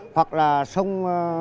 hoặc là sông